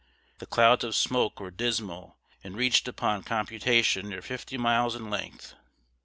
The clouds of smoke were dismal and reached upon computation near fifty miles in length.